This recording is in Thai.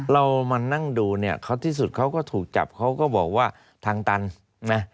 เรามานั่งดูเนี่ยเขาที่สุดเขาก็ถูกจับเขาก็บอกว่าทางตันนะ